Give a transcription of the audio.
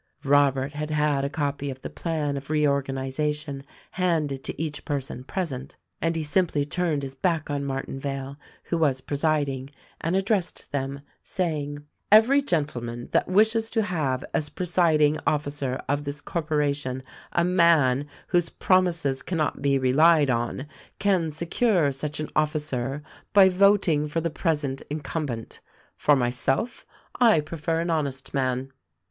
Robert had had a copy of the plan of re organization handed to each person present and he simply turned his back on Martinvale, who was presiding, and addressed them, say ing, "Every gentleman that wishes to have as presiding offi cer of this corporation a man whose promises cannot be relied on can secure such an officer by voting for the present incum bent. For myself, I prefer an honest man."